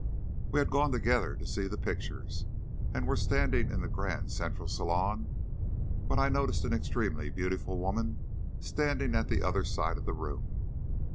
We had gone together to see the pictures, and were standing in the grand central salon, when I noticed an extremely beautiful woman standing at the other side of the room.